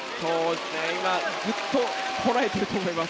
今、ぐっとこらえていると思います。